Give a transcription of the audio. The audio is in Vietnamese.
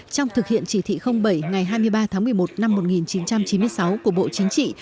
trong thực hiện chỉ thị bảy ngày hai mươi ba tháng một mươi một năm một nghìn chín trăm chín mươi sáu của bộ chính trị